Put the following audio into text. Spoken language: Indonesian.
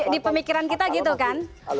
di pemikiran kita gitu kan